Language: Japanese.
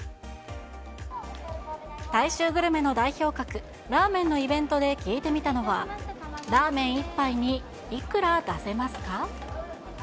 大衆グルメの代表格、ラーメンのイベントで聞いてみたのは、ラーメン１杯にいくら出せますか？